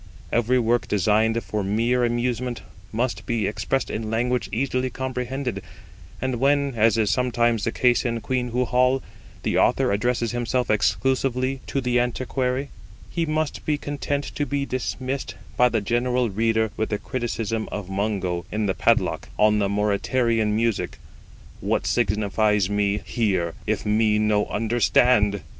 Every work designed for mere amusement must be expressed in language easily comprehended; and when, as is sometimes the case in QUEENHOO HALL, the author addresses himself exclusively to the antiquary, he must be content to be dismissed by the general reader with the criticism of Mungo, in the PADLOCK, on the Mauritanian music, 'What signifies me hear, if me no understand?'